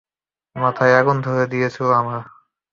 মাথায় আগুন ধরে গিয়েছিল আমার।